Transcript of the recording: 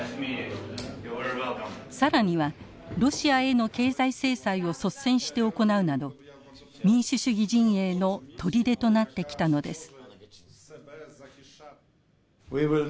更にはロシアへの経済制裁を率先して行うなど民主主義陣営の砦となってきたのです。